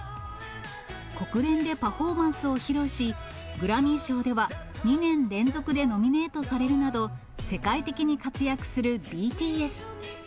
国連でパフォーマンスを披露し、グラミー賞では２年連続でノミネートされるなど、世界的に活躍するＢＴＳ。